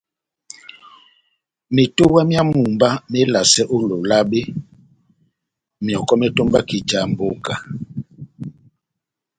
Metowa myá mumba melasɛ ó Lolabe, myɔkɔ metombaki já mbóka.